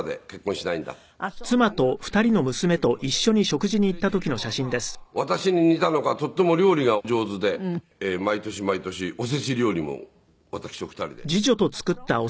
で次女はまあ私に似たのかとっても料理が上手で毎年毎年おせち料理も私と２人で。